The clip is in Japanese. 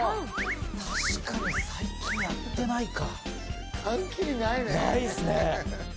確かに最近やってないか。